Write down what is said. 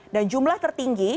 dan jumlah tertinggi